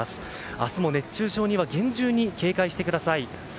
明日も熱中症には厳重に警戒してください。